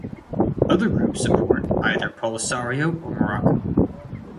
Other groups support either Polisario or Morocco.